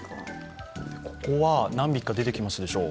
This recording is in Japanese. ここは、何匹か出てきますでしょう